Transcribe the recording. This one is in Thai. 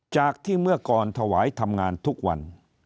จากที่เมื่อก่อนถวายทำงานทุกวัน